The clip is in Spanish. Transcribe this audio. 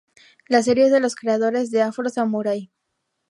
La serie es de los creadores de Afro Samurai.